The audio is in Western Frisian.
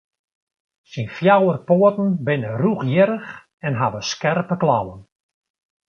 Syn fjouwer poaten binne rûchhierrich en hawwe skerpe klauwen.